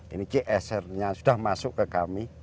ini csr nya sudah masuk ke kami